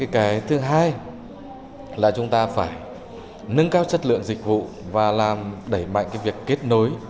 cái thứ hai là chúng ta phải nâng cao chất lượng dịch vụ và làm đẩy mạnh cái việc kết nối